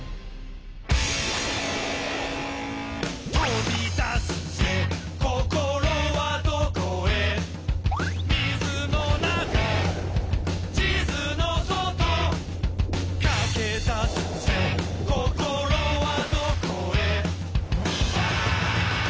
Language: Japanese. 「飛び出すぜ心はどこへ」「水の中地図の外」「駆け出すぜ心はどこへ」